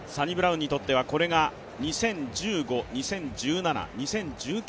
サニブラウンにとってはこれが２０１５２０１７、２０１９。